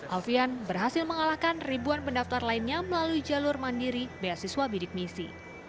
alfian berhasil mengalahkan ribuan pendaftar lainnya melalui jalur mandiri beasiswa bidik misi